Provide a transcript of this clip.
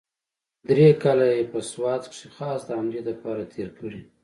درې کاله يې په سوات کښې خاص د همدې دپاره تېر کړي.